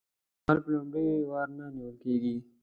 غل په لومړي وار نه نیول کیږي